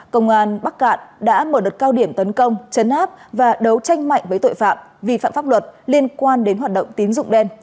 công an bắc cạn đã mở đợt cao điểm tấn công chấn áp và đấu tranh mạnh với tội phạm vi phạm pháp luật liên quan đến hoạt động tín dụng đen